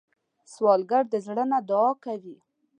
سوالګر د زړه نه دعا کوي